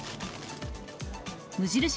無印